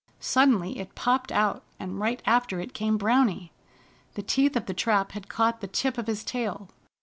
Suddenly it popped out, and right after it came Browny. The teeth of the trap had caught the tip of his tail.